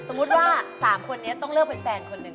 สมมุติว่า๓คนนี้ต้องเลิกเป็นแฟนคนหนึ่ง